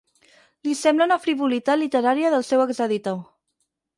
Li sembla una frivolitat literària del seu exeditor.